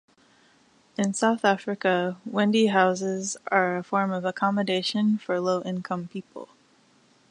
In South Africa, Wendy houses are a form of accommodation for low-income people.